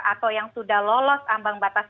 atau yang sudah lolos ambang batas